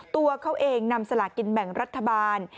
ตัวเขาเองนำสลากินแบ่งรัฐบาล